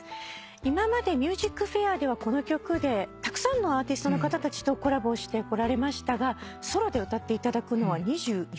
今まで『ＭＵＳＩＣＦＡＩＲ』ではこの曲でたくさんのアーティストの方たちとコラボしてこられましたがソロで歌っていただくのは２４年ぶり。